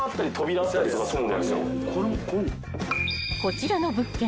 ［こちらの物件